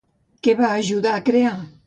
Què va ajudar a crear?